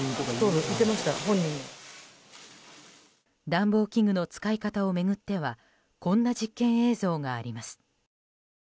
暖房器具の使い方を巡ってはこんな実験映像があります。